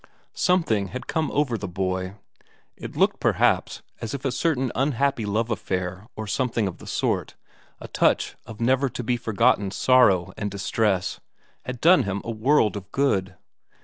Something had come over the boy; it looked perhaps as if a certain unhappy love affair or something of the sort, a touch of never to be forgotten sorrow and distress, had done him a world of good.